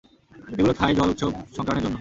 এগুলো থাই জল উৎসব সংক্রানের জন্য।